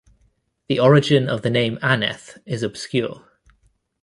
The origin of the name Aneth is obscure.